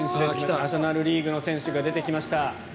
ナショナルリーグの選手が出てきました。